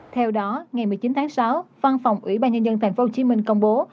theo đó ngày một mươi chín tháng sáu phan phòng ủy ban nhân dân thành phố hồ chí minh công bố